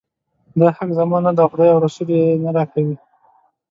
دا حق زما نه دی او خدای او رسول یې نه راکوي.